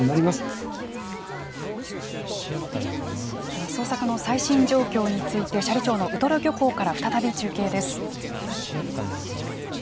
では捜索の最新状況について斜里町のウトロ漁港から再び中継です。